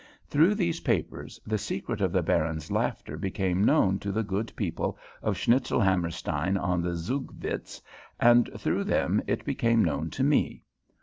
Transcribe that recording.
Through these papers the secret of the Baron's laughter became known to the good people of Schnitzelhammerstein on the Zugvitz, and through them it became known to me.